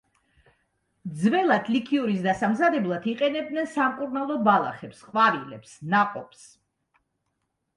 ძველად ლიქიორის დასამზადებლად იყენებდნენ სამკურნალო ბალახებს, ყვავილებს, ნაყოფს.